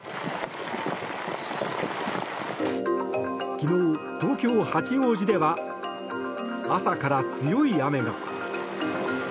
昨日、東京・八王子では朝から強い雨が。